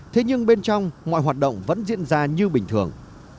thế nhưng bên trong mọi hoạt động vẫn diễn ra như bình thường